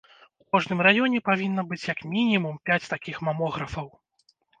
У кожным раёне павінна быць як мінімум пяць такіх мамографаў.